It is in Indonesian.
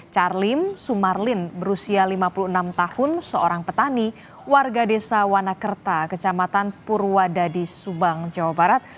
charlim sumarlin berusia lima puluh enam tahun seorang petani warga desa wanakerta kecamatan purwadadi subang jawa barat